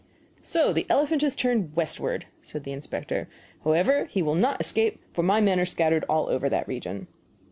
"So the elephant has turned westward," said the inspector. "However, he will not escape, for my men are scattered all over that region."